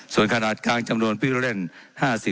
เจ้าหน้าที่ของรัฐมันก็เป็นผู้ใต้มิชชาท่านนมตรี